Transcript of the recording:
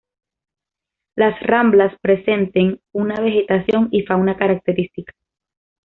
Las ramblas presenten una vegetación y fauna características.